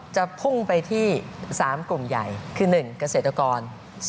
จะพุ่งไปที่๓กลุ่มใหญ่คือ๑เกษตรกร